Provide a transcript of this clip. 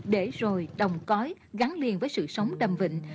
để rồi đồng cói gắn liền với sự sống đầm vịnh